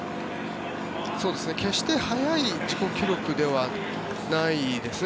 決して速い自己記録ではないですね。